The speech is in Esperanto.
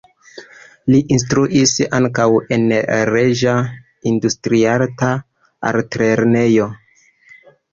Li instruis ankaŭ en Reĝa Industriarta Altlernejo.